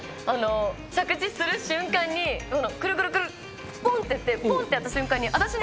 着地する瞬間にくるくるくるぽんってやってぽんってやった瞬間に。